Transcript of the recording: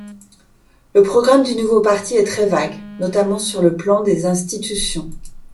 Le programme du nouveau parti est très vague, notamment sur le plan des institutions.